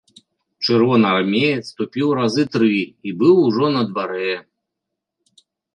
Чырвонаармеец ступіў разы тры і быў ужо на дварэ.